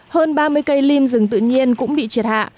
hơn ba mươi cây lim rừng tự nhiên cũng bị triệt hạ